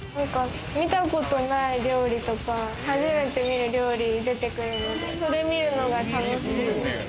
見たことない料理とか、初めて見る料理出てくるので、それ見るのが楽しいです。